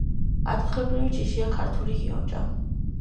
ადგილობრივი ჯიშია ქართული იონჯა.